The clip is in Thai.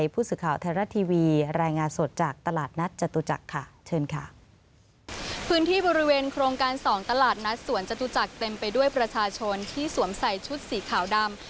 พื้นที่บริเวณโครงการสองตลาดนัดสวนจตุจักรเต็มไปด้วยประชาชนที่สวมใส่ชุดสีขาวดำ